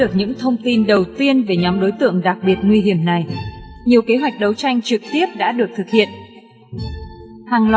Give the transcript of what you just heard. có thâm niên thường tìm đến tuân